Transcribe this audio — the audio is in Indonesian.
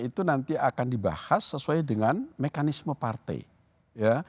itu nanti akan dibahas sesuai dengan mekanisme partai ya